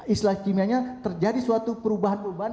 istilah kimianya terjadi suatu perubahan perubahan